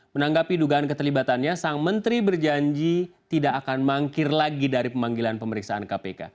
menanggapi dugaan keterlibatannya sang menteri berjanji tidak akan mangkir lagi dari pemanggilan pemeriksaan kpk